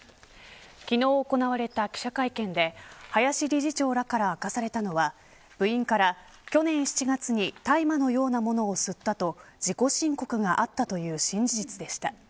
昨日、行われた記者会見で林理事長らから明かされたのは部員から去年７月に大麻のようなものを吸ったと自己申告があったという新事実でした。